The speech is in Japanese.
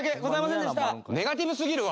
ネガティブすぎるわ！